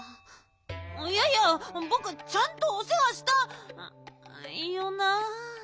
いやいやぼくちゃんとおせわした！よな？